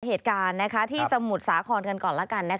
เหตุการณ์ที่สมุทรสาครกันก่อนแล้วกัน